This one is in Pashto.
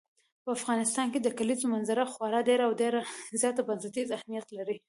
په افغانستان کې د کلیزو منظره خورا ډېر او ډېر زیات بنسټیز اهمیت لري.